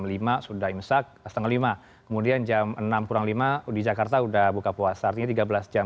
jam lima sudah imsak setengah lima kemudian jam enam kurang lima di jakarta sudah buka puasa artinya tiga belas jam